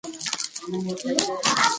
سکینر هم هلته شتون لري.